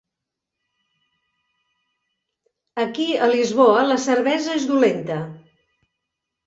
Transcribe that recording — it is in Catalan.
Aquí a Lisboa la cervesa és dolenta.